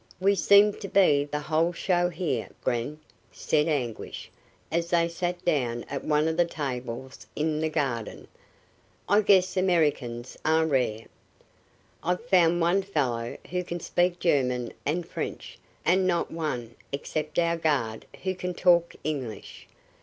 "We seem to be the whole show here, Gren," said Anguish, as they sat down at one of the tables in the garden. "I guess Americans are rare." "I've found one fellow who can speak German and French, and not one, except our guard who can talk English.